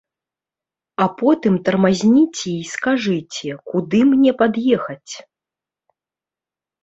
А потым тармазніце і скажыце, куды мне пад'ехаць.